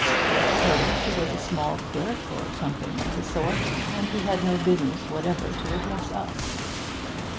I suppose he was a small clerk, or something of the sort, and he had no business whatever to address us.'